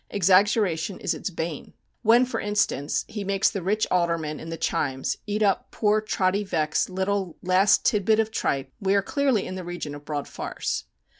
Exaggeration is its bane. When, for instance, he makes the rich alderman in "The Chimes" eat up poor Trotty Veck's little last tit bit of tripe, we are clearly in the region of broad farce.